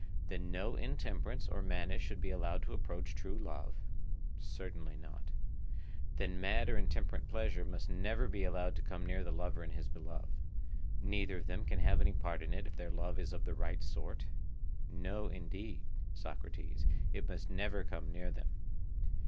Then no intemperance or madness should be allowed to approach true love? Certainly not. Then mad or intemperate pleasure must never be allowed to come near the lover and his beloved; neither of them can have any part in it if their love is of the right sort? No, indeed, Socrates, it must never come near them.